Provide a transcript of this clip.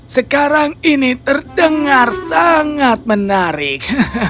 sekarang ini terdengar sangat menarik